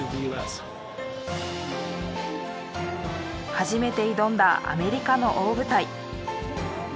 初めて挑んだアメリカの大舞台。